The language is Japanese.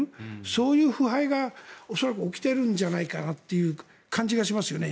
そういう腐敗が恐らく起きているんじゃないかなという気がしますね。